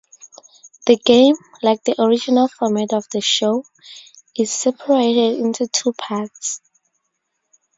The game, like the original format of the show, is separated into two parts.